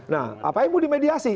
nah apanya mau dimediasi